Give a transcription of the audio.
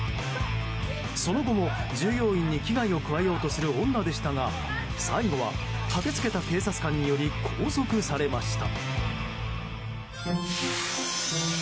その後も、従業員に危害を加えようとする女でしたが最後は駆け付けた警察官により拘束されました。